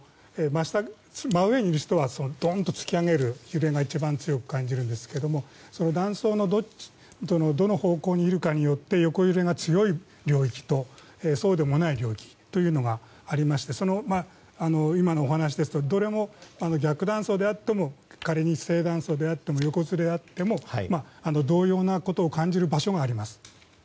真上にいる人はドンと突き上げるような揺れが一番強く感じるんですけど断層のどの方向にいるかによって横揺れが強い領域とそうでもない領域というのがありまして、今のお話ですと逆断層であっても仮に正断層であっても同様なことを感じる場所があります。